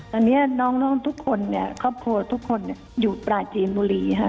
ตอนนี้น้องทุกคนเนี่ยครอบครัวทุกคนอยู่ปราจีนบุรีค่ะ